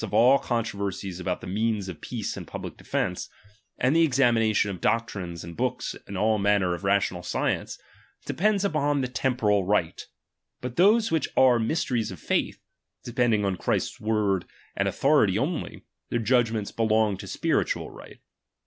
of all controversies about the means of peace and ''' public defence, and the examination of doctrines and books in all manner of rational science, de pends upon the temporal right ; but those which are mysteries of faith, depending on Christ's word and authority only, their judgments belong to spiritual right.